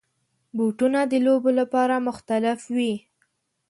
بوټونه د لوبو لپاره مختلف وي.